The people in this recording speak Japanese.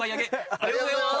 ありがとうございます。